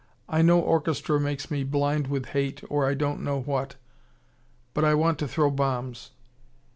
I know orchestra makes me blind with hate or I don't know what. But I want to throw bombs."